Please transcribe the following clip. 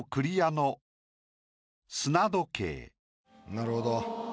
なるほど。